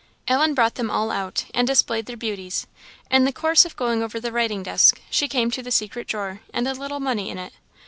Ellen brought them all out, and displayed their beauties. In the course of going over the writing desk, she came to the secret drawer, and a little money in it.